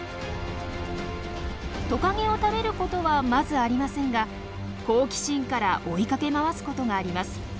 トカゲを食べることはまずありませんが好奇心から追いかけ回すことがあります。